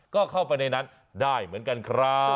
ก็เข้าไปในนั้นได้เหมือนกันครับ